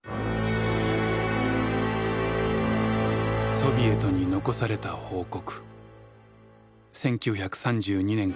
ソビエトに残された報告。